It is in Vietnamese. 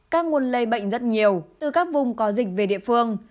các nguồn lây bệnh rất nhiều từ các vùng có dịch về địa phương